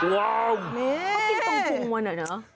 ตรงพุมวันนั้นเหรอ